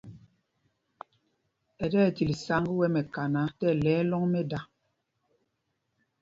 Ɛ ti ɛtil sǎŋg wɛ̄ mɛkana tí ɛlɛ̄y ɛ lɔ̂ŋ mɛ́da.